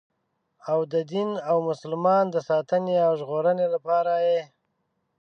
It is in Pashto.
او د دین او مسلمان د ساتنې او ژغورنې لپاره یې.